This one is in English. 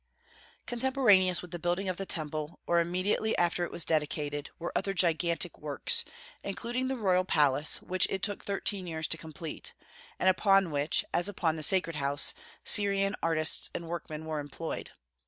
Contemporaneous with the building of the Temple, or immediately after it was dedicated, were other gigantic works, including the royal palace, which it took thirteen years to complete, and upon which, as upon the Sacred House, Syrian artists and workmen were employed.